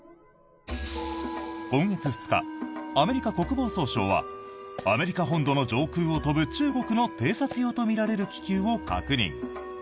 今月２日、アメリカ国防総省はアメリカ本土の上空を飛ぶ中国の偵察用とみられる気球を確認。